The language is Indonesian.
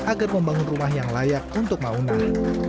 agar membangun rumah yang layak untuk mau